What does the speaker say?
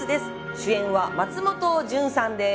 主演は松本潤さんです。